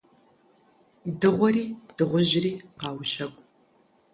Дыгъуэри дыгъужьри къаущэкӀу.